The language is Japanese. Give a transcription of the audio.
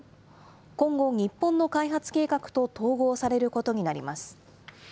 今後、日本の開発計画と統合されることになります。